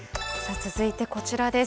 続いてこちらです。